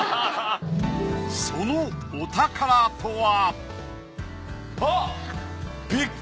そのお宝とは？